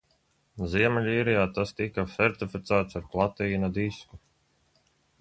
Ziemeļīrijā tas tika sertificēts ar platīna disku.